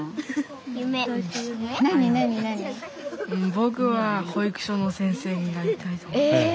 僕は保育所の先生になりたいと思っています。